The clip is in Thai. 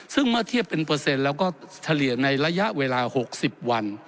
ซึ่งเมื่อเทียบเป็นเปอร์เซ็นต์แล้วก็เฉลี่ยในระยะเวลา๖๐วัน